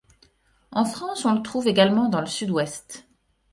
En France on le trouve également dans le Sud-ouest.